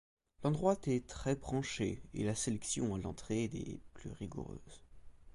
L'endroit est très branché et la sélection à l'entrée des plus rigoureuses.